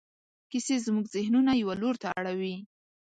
کیسې زموږ ذهنونه یوه لور ته اړوي.